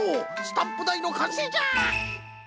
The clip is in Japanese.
スタンプだいのかんせいじゃ！